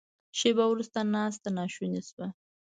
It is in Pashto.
شیبه وروسته ناسته ناشونې شوه.